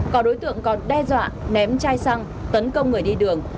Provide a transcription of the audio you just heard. có đối tượng còn đe dọa ném chai xăng tấn công người đi đường